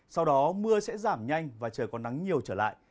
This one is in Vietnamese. sau đó mưa sẽ giảm nhanh và trời còn nắng nhiều trở lại